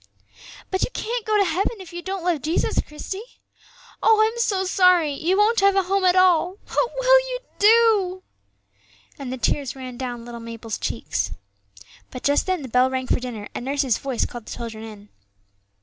"But you can't go to heaven if you don't love Jesus, Christie. Oh! I'm so sorry, you won't have a home at all; what will you do?" and the tears ran down little Mabel's cheeks. But just then the bell rang for dinner, and nurse's voice called the children in.